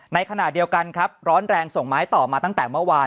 ในขณะเดียวกันครับร้อนแรงส่งไม้ต่อมาตั้งแต่เมื่อวาน